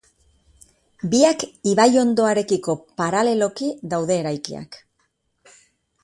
Biak ibaiondoarekiko paraleloki daude eraikiak.